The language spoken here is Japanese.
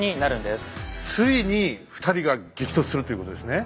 ついに２人が激突するということですね。